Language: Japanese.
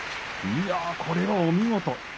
いやー、これはお見事。